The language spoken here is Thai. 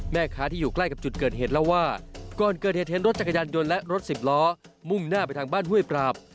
แม่ค้าที่อยู่ใกล้กับจุดเกิดเหตุเล่าว่าก่อนเกิดเหตุเห็นรถจักรยานยนต์และรถสิบล้อมุ่งหน้าไปทางบ้านห้วยปราบ